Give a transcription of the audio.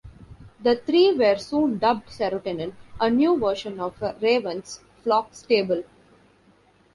The three were soon dubbed Serotonin, a new version of Raven's Flock stable.